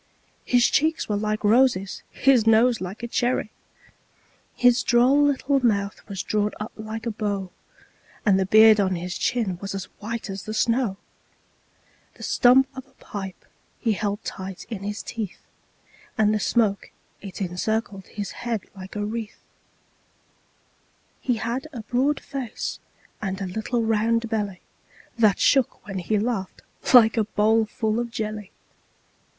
His cheeks were like roses, his nose like a cherry! His droll little mouth was drawn up like a bow, And the beard of his chin was as white as the snow; The stump of a pipe he held tight in his teeth, And the smoke it encircled his head like a wreath; He had a broad face and a round little belly, That shook when he laughed like a bowlful of jelly.